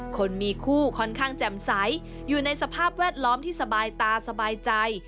คนมีคู่ค่อนข้างแจ่มใสอยู่ในสภาพแวดล้อมที่สบายตาสบายใจ